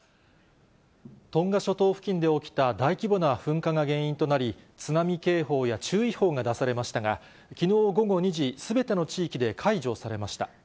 トンガ諸島付近で起きた大規模な噴火が原因となり、津波警報や注意報が出されましたが、きのう午後２時、すべての地域で解除されました。